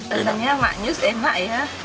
rasanya manis enak ya